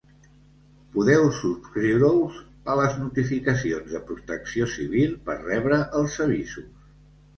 Podeu subscriure-us a les notificacions de Protecció Civil per rebre els avisos.